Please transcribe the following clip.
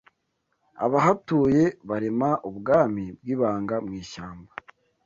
Abahatuye barema ubwami bwibanga mwishyamba